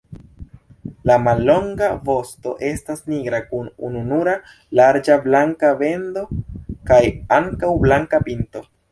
La mallonga vosto estas nigra kun ununura larĝa blanka bendo kaj ankaŭ blanka pinto.